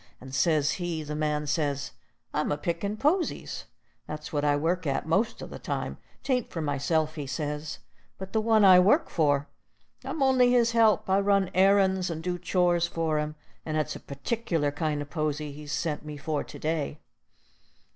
And says he, the man says: "I'm a pickin' posies. That's what I work at most o' the time. 'Tain't for myself," he says, "but the one I work for. I'm on'y his help. I run errands and do chores for him, and it's a partic'lar kind o' posy he's sent me for to day."